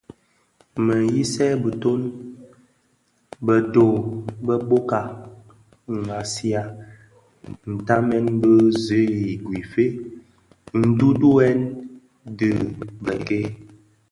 Me nyisen biton bedho bë bōka ghaksiya stamen bi zi I Guife, nduduyèn dhi bëk-ke.